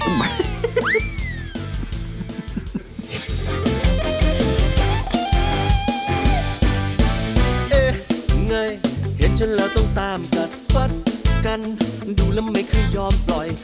ไงเห็นฉันแล้วต้องตามกัดฟัดกันดูแล้วไม่เคยยอมปล่อย